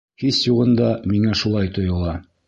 Һис юғында, миңә шулай тойола.